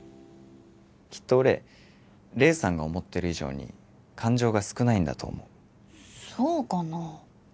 きっと俺黎さんが思ってる以上に感情が少ないんだと思うそうかなあ